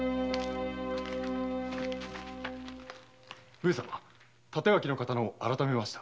上様帯刀の刀を改めました。